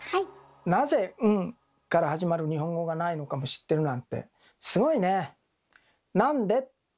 なぜ「ん」から始まる日本語がないのかも知ってるなんてすごいね！